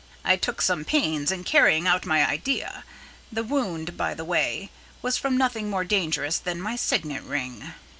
I took some pains in carrying out my idea. The wound, by the way, was from nothing more dangerous than my signet ring."